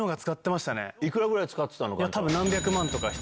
幾らぐらい使ってたの？